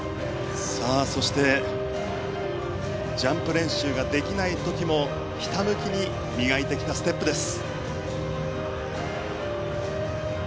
ジャンプ練習ができない時もひたむきに磨いてきたステップです。